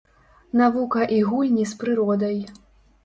Навука і гульні з прыродай.